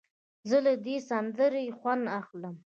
زه له دې سندرې خوند اخلم.